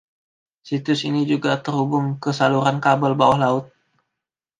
Situs ini juga terhubung ke saluran kabel bawah laut.